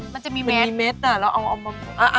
มันจะมีเม็ดมันมีเม็ดนะแล้วเอามา